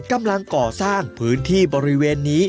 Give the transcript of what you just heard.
กำลังก่อสร้างพื้นที่บริเวณนี้